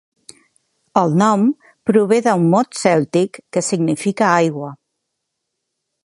El nom prové d'un mot cèltic que significa aigua.